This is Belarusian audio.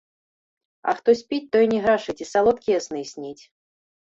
А хто спіць, той не грашыць і салодкія сны сніць.